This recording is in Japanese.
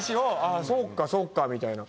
「あぁそっかそっか」みたいな。